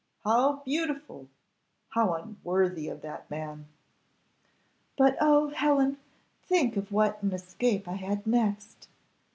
how beautiful! how unworthy of that man!' "But, oh, Helen, think of what an escape I had next.